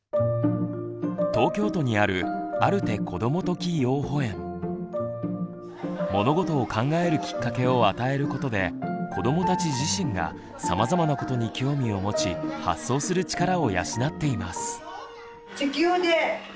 東京都にある物事を考えるきっかけを与えることで子どもたち自身がさまざまなことに興味を持ち発想する力を養っています。